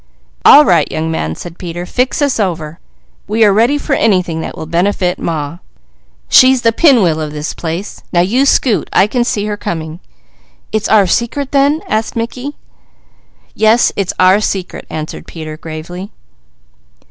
"All right young man," said Peter. "Fix us over! We are ready for anything that will benefit Ma. She's the pinwheel of this place. Now you scoot! I can see her coming." "It's our secret then?" asked Mickey. "Yes, it's our secret!" answered Peter gravely.